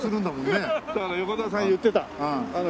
だから横澤さん言ってた。